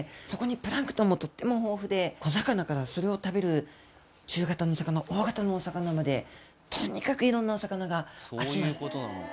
そこにプランクトンもとっても豊富で、小魚から、それを食べる中型のお魚、大型のお魚まで、とにかくいろんなお魚が集まる。